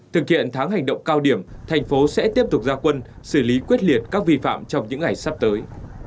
thực hiện tháng hành động cao điểm thành phố sẽ tiếp tục ra quân xử lý quyết liệt các vi phạm trong những ngày sắp tới